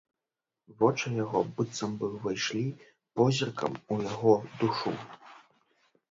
Вочы яго быццам бы ўвайшлі позіркам у яго душу.